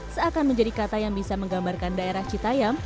seakan menjadi kata yang bisa menggambarkan daerah citayam